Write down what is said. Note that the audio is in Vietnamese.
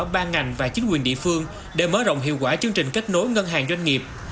ban ngành và chính quyền địa phương để mở rộng hiệu quả chương trình kết nối ngân hàng doanh nghiệp